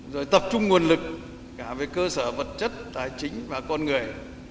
rồi tập trung nguồn lực cả về cơ sở vật chất tài chính và con người